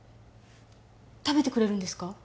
食べてくれるんですか？